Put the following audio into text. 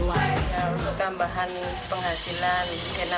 untuk tambahan penghasilan